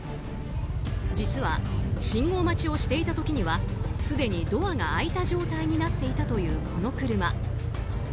実は、信号待ちをしていた時にはすでにドアが開いた状態になっていたというこの車。